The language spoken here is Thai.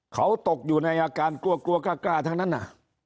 เขาตกอยู่ในอาการกลัวกลัวกล้าทั้งนั้น